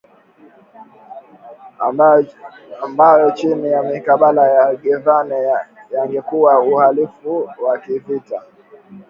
ambayo chini ya mikataba ya Geneva yangekuwa uhalifu wa kivita